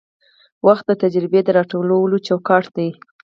وخت د تجربې د راټولولو چوکاټ دی.